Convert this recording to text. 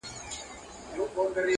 ځوان دعا کوي,